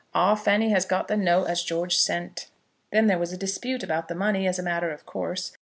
Our Fanny has got the note as George sent." Then there was a dispute about the money, as a matter of course.